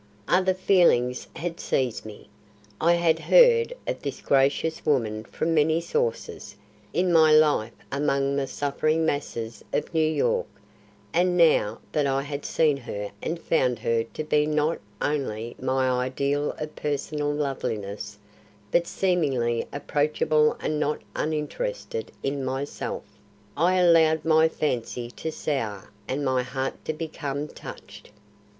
Other feelings had seized me. I had heard of this gracious woman from many sources, in my life among the suffering masses of New York, and now that I had seen her and found her to be not only my ideal of personal loveliness but seemingly approachable and not uninterested in myself, I allowed my fancy to soar and my heart to become touched.